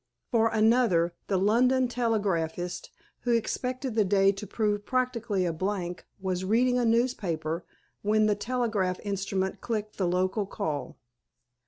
For another, the London telegraphist, who expected the day to prove practically a blank, was reading a newspaper when the telegraph instrument clicked the local call.